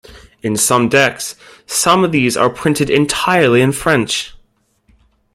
In some decks, some of these are printed entirely in French.